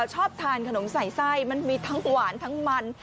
ชอบทานขนมใส่ไส้มันมีทั้งหวานทั้งมัน